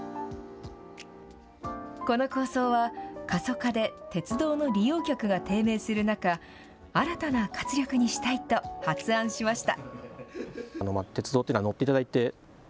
この構想は、過疎化で鉄道の利用客が低迷する中新たな活力にしたいと発案しました。